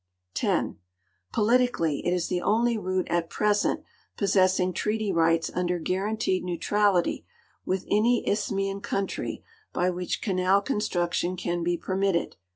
10. Politically it is the only route at present possessing treaty rights under guaranteed neutrality with any isthmian country by which canal construction can be i^ermitted.